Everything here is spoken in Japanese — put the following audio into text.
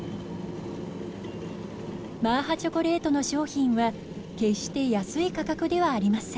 マーハチョコレートの商品は決して安い価格ではありません。